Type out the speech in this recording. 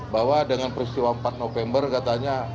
bahwa dengan peristiwa empat november katanya